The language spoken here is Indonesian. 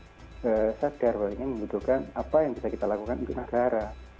kita sadar bahwa ini membutuhkan apa yang bisa kita lakukan untuk negara